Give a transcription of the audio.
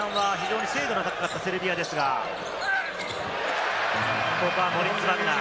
前半は非常に精度の高かったセルビアですが、モリッツ・バグナー。